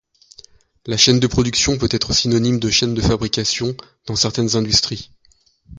La chaîne de production peut-être synonyme de chaîne de fabrication dans certaines industries.